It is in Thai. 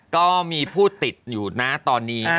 ก็มีผู้ติดอยู่นะตอนนี้